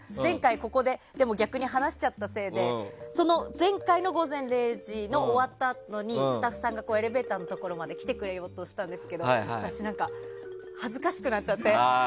ここで逆に話しちゃったせいで前回の「午前０時の森」の終わったあとにスタッフさんがエレベーターのところまで来てくれようとしたんですけど私、恥ずかしくなっちゃって。